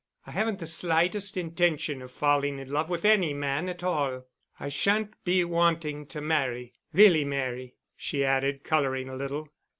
I haven't the slightest intention of falling in love with any man at all. I shan't be wanting to marry—really marry——" she added, coloring a little.